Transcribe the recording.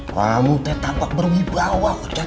kamu tetap berwibawa ojek